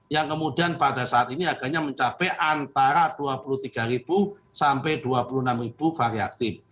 yang kemudian pada saat ini harganya mencapai antara rp dua puluh tiga sampai rp dua puluh enam variatif